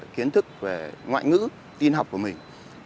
kiến thức về ngoại ngữ tin học của mình